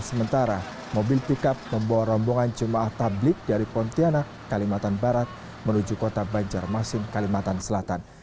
sementara mobil pickup membawa rombongan jemaah tablik dari pontianak kalimantan barat menuju kota banjarmasin kalimantan selatan